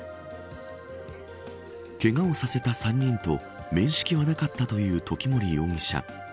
けがをさせた３人と面識はなかったという時森容疑者。